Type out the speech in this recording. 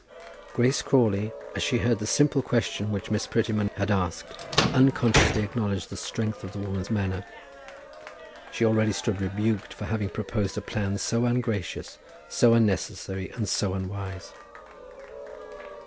Grace Crawley, as she heard the simple question which Miss Prettyman had asked, unconsciously acknowledged the strength of the woman's manner. She already stood rebuked for having proposed a plan so ungracious, so unnecessary, and so unwise.